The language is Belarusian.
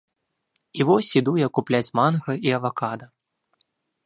І вось іду я купляць манга і авакада.